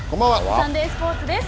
サンデースポーツです。